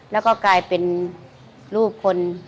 แล้วก็กลายเป็นรูปคน